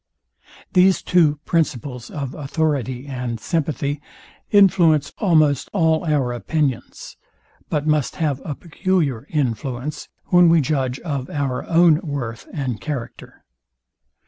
These two principles of authority and sympathy influence almost all our opinions; but must have a peculiar influence, when we judge of our own worth and character.